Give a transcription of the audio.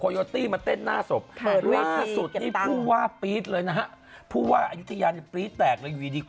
โอ้โหตายแล้ว